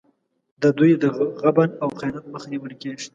د دوی د غبن او خیانت مخه نیول کېږي.